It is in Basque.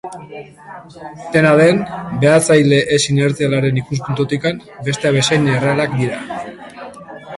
Dena den, behatzaile ez-inertzialaren ikuspuntutik, besteak bezain errealak dira.